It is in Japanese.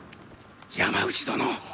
山内殿。